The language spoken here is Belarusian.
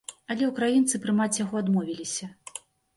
Але ўкраінцы прымаць яго адмовіліся.